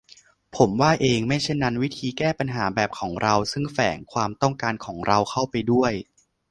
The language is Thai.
ผมว่าเอง : ไม่เช่นนั้น 'วิธีแก้ปัญหาแบบของเรา-ซึ่งแฝงความต้องการของเราเข้าไปด้วย